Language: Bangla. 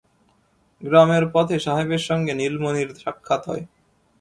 গ্রামের পথে সাহেবের সঙ্গে নীলমণির সাক্ষাৎ হয়।